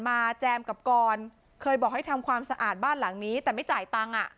แจมกับกรเคยบอกให้ทำความสะอาดบ้านหลังนี้แต่ไม่จ่ายตังค์อ่ะ